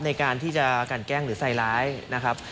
ในการที่จะกันแกล้งหรือใส่ร้ายนะครับ